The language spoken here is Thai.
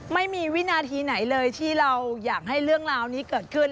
ไม่มีวินาทีไหนเลยที่เราอยากให้เรื่องราวนี้เกิดขึ้น